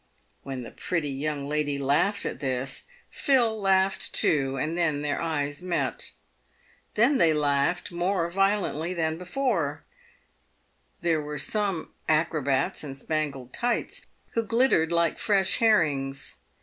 When the pretty young lady laughed at this, Phil laughed too, and then their eyes met. They then laughed more violently than before. 320 PAYED WITH GOLD. There were some acrobats in spangled tights, who glittered like fresh herrings.